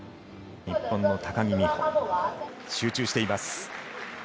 日本の高木美帆集中しています。